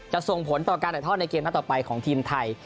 ส่งผลต่อการถ่ายทอดในเกมนัดต่อไปของทีมไทย